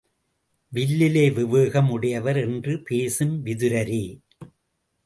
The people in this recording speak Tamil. வில்லிலே விவேகம் உடையவர் என்று பேசும் விதுரரே!